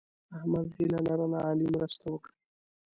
احمد هیله لرله علي مرسته وکړي.